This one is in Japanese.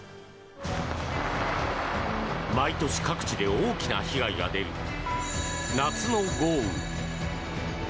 毎年、各地で大きな被害が出る夏の豪雨。